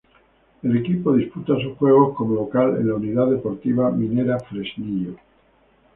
El equipo disputa sus juegos como local en la Unidad Deportiva Minera Fresnillo.